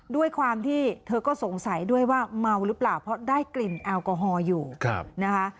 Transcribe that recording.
ด้วยความที่เธอก็สงสัยด้วยว่าเมาหรือเปล่าเพราะได้กลิ่นแอลกอฮอล์อยู่นะคะ